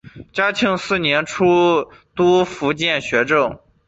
嘉庆四年出督福建学政。